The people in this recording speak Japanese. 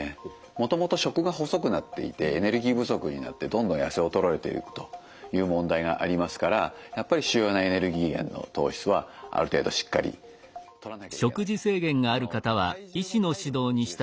もともと食が細くなっていてエネルギー不足になってどんどん痩せ衰えていくという問題がありますからやっぱり主要なエネルギー源の糖質はある程度しっかりとらなきゃいけないと体重も体力のうちですからねはい。